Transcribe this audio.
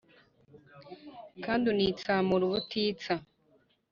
kandi unitsamura ubutitsa